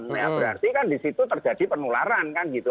berarti kan disitu terjadi penularan kan gitu